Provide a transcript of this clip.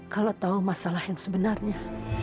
kalau tahu masalah yang sebenarnya